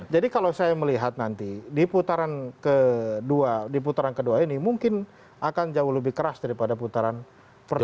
jadi kalau saya melihat nanti di putaran kedua ini mungkin akan jauh lebih keras daripada putaran pertama